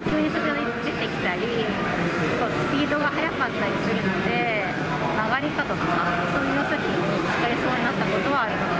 突然出てきたり、スピードが速かったりするので、曲がり角とかでぶつかりそうになったことはあります。